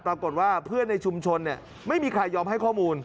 ปรากฏว่าเพื่อนในชุมชนไม่มีใครยอมให้ข้อมูล